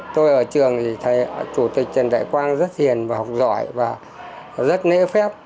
tôi ở trường thì chủ tịch trần đại quang rất hiền và học giỏi và rất nễ phép